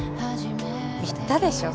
言ったでしょ。